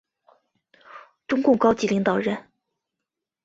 中共高级领导人。